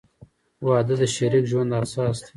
• واده د شریک ژوند اساس دی.